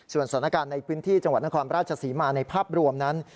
สถานการณ์ในพื้นที่จังหวัดนครราชศรีมาในภาพรวมนั้น